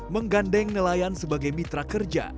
menggandeng nelayan sebagai mitra kerja